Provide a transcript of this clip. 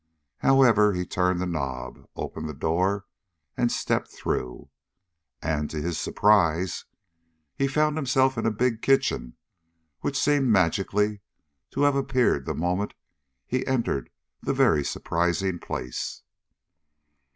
However, he turned the knob, opened the door and stepped through, and, to his surprise, he found himself in a big kitchen which seemed magically to have appeared the moment he entered the very surprising place.